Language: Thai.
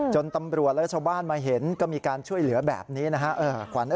ตำรวจและชาวบ้านมาเห็นก็มีการช่วยเหลือแบบนี้นะฮะ